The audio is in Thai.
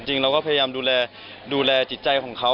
จริงเราก็พยายามดูแลจิตใจของเขา